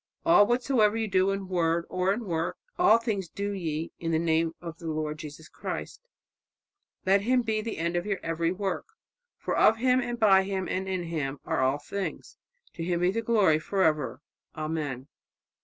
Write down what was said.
'All whatsoever you do in word or in work, all things do ye in the name of the Lord Jesus Christ,' let Him be the end of your every work; 'for of Him, and by Him, and in Him, are all things; to Him be glory for ever. Amen.'"